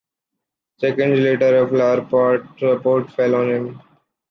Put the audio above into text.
Seconds later, a flowerpot support fell on him.